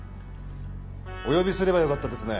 お呼びすればよかったですね。